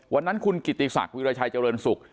วันนั้นคุณกิติศักดิ์วิรชัยเจริญสุข